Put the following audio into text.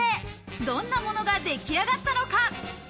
どんなものが出来上がったのか？